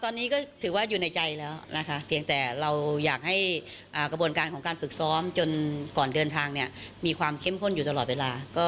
ตอนนี้ก็ถือว่าอยู่ในใจแล้วนะคะเพียงแต่เราอยากให้กระบวนการของการฝึกซ้อมจนก่อนเดินทางเนี่ยมีความเข้มข้นอยู่ตลอดเวลา